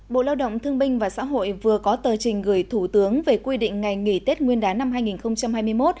bộ lao động thương binh và xã hội vừa có tờ trình gửi thủ tướng về quy định ngày nghỉ tết nguyên đán năm hai nghìn hai mươi một